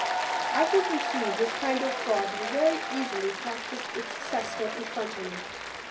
I can conceive this kind of fraud to be very easily practised with successful effrontery.